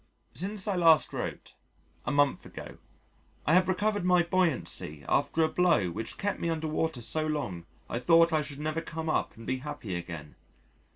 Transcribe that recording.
Since I last wrote a month ago I have recovered my buoyancy after a blow which kept me under water so long I thought I should never come up and be happy again....